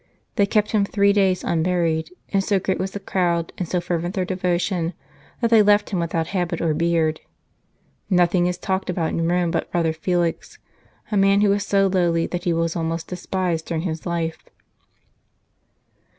They kept him three days unburied, and so great was the crowd, and so fervent their devotion, that they left him without habit or beard. ... Nothing is talked about in Rome but Brother Felix, a man who was so lowly that he was almost despised during his life."